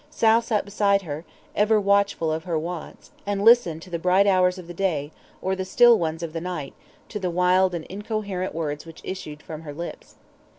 Sal sat beside her, ever watchful of her wants, and listened through the bright hours of the day, or the still ones of the night, to the wild and incoherent words which issued from her lips.